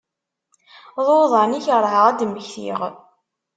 D uḍan i kerheɣ ad d-mmektiɣ.